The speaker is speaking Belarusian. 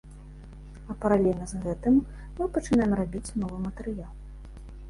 А паралельна з гэтым мы пачынаем рабіць новы матэрыял.